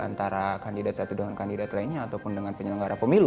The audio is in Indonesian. antara kandidat satu dengan kandidat lainnya ataupun dengan penyelenggara pemilu